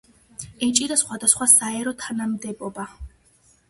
ეჭირა სხვადასხვა საერო თანამდებობა.